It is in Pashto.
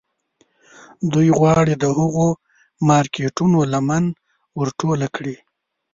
دوی غواړي د هغو مارکیټونو لمن ور ټوله کړي